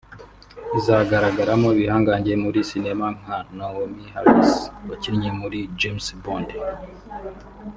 izagaragaramo ibihangange muri sinema nka Naomi Harris wakinnye muri ’James Bond